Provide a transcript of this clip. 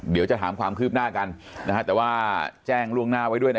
เดี๋ยวจะถามความคืบหน้ากันนะฮะแต่ว่าแจ้งล่วงหน้าไว้ด้วยนะ